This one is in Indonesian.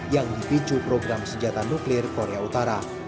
yang dipicu program senjata nuklir korea utara